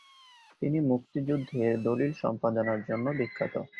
তিনি মুক্তিযুদ্ধের দলিল সম্পাদনার জন্য বিখ্যাত।